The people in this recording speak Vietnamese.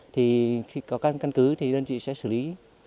thì khi có căn cứ thì đơn vị sẽ xử lý